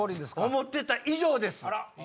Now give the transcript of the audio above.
思ってた以上です！